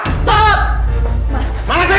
sekarang ini paham saya